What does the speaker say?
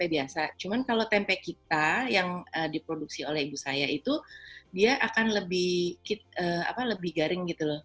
biasa cuman kalau tempe kita yang diproduksi oleh ibu saya itu dia akan lebih garing gitu loh